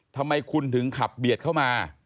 ทำไมคุณถึงขับเบียดเข้ามา